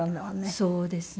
そうですね。